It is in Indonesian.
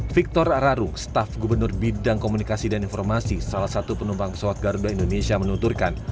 victor araruk staf gubernur bidang komunikasi dan informasi salah satu penumpang pesawat garuda indonesia menunturkan